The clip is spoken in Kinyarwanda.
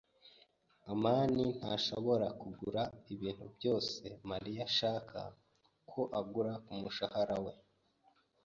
amani ntashobora kugura ibintu byose Mariya ashaka ko agura kumushahara we.